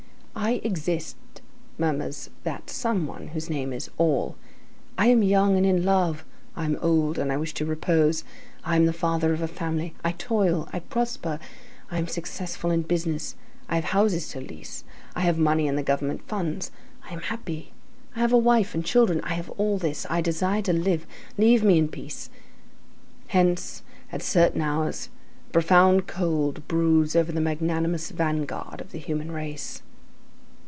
—"I exist," murmurs that some one whose name is All. "I am young and in love, I am old and I wish to repose, I am the father of a family, I toil, I prosper, I am successful in business, I have houses to lease, I have money in the government funds, I am happy, I have a wife and children, I have all this, I desire to live, leave me in peace."—Hence, at certain hours, a profound cold broods over the magnanimous vanguard of the human race.